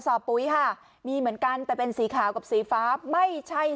ปุ๋ยค่ะมีเหมือนกันแต่เป็นสีขาวกับสีฟ้าไม่ใช่